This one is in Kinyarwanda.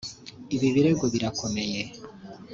‘Ibi birego birakomeye